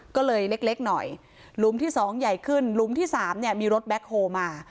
ก็เลยเล็กหน่อยหลุมที่๒ใหญ่ขึ้นหลุมที่๓เนี่ยมีรถแบ็คโฮมา